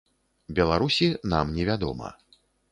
Беларусі, нам не вядома.